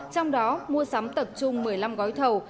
trong đó mua sắm tập trung một mươi năm gói thầu